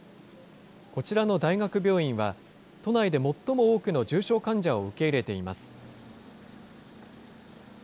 こちらの大学病院は、都内で最も多くの重症患者を受け入れています。